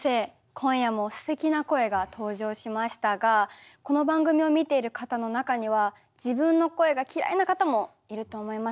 今夜もすてきな声が登場しましたがこの番組を見ている方の中には自分の声が嫌いな方もいると思います。